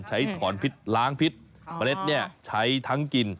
ใช้ถอนพิษล้างพิษเมล็ดเนี่ยใช้ทั้งกิน